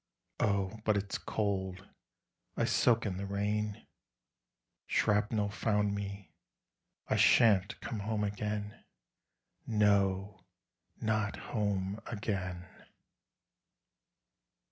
O ... but it's cold I soak in the rain Shrapnel found me I shan't come home again No, not home again!